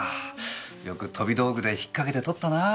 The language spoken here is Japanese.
よく飛び道具で引っかけて捕ったなぁ。